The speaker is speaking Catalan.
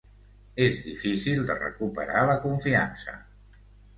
És difícil de recuperar la confiança.